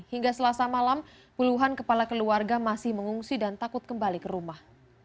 hingga selasa malam puluhan kepala keluarga masih mengungsi dan takut kembali ke rumah